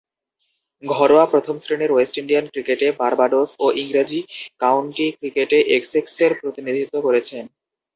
ঘরোয়া প্রথম-শ্রেণীর West Indian ক্রিকেটে বার্বাডোস ও ইংরেজ কাউন্টি ক্রিকেটে এসেক্সের প্রতিনিধিত্ব করেছেন।